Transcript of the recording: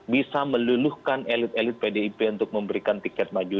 bisa meluluhkan elit elit pdip untuk memberikan tiket maju